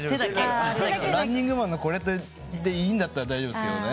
ランニングマンのこれでいいなら大丈夫ですけど。